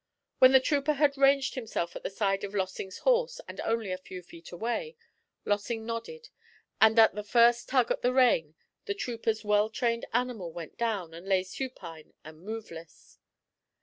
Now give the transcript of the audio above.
When the trooper had ranged himself at the side of Lossing's horse and only a few feet away, Lossing nodded; and at the first tug at the rein the trooper's well trained animal went down and lay supine and moveless.